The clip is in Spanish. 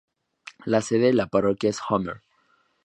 La sede de la parroquia es Homer.